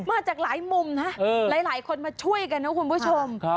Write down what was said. มาจากหลายมุมนะหลายคนมาช่วยกันนะคุณผู้ชม